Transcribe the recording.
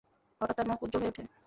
হঠাৎ তার মুখ উজ্জ্বল হয়ে ওঠে।